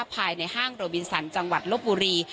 ภายในห้างโรบินสันจังหวัดลบบุรี